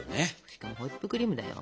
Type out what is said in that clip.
しかもホイップクリームだよ。